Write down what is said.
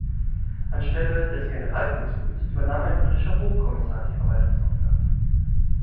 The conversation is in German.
Anstelle des Generalkonsuls übernahm ein britischer Hochkommissar die Verwaltungsaufgaben.